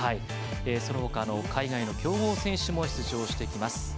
そのほか海外の強豪選手も出場します。